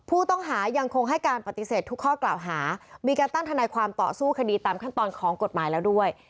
ผู้ต้องหายังคงให้การปฏิเสธทุกข้อกล่าวหามีการตั้งทนายความต่อสู้คดีตามขั้นตอนของกฎหมายแล้วด้วย